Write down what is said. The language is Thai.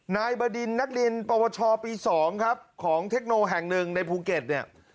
นายบดินนัตรินประวัติศาสตร์ปี๒ครับของเทคโนแห่งหนึ่งในภูเก็ตเนี่ย